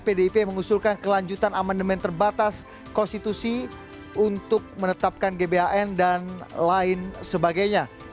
pdip mengusulkan kelanjutan amandemen terbatas konstitusi untuk menetapkan gbhn dan lain sebagainya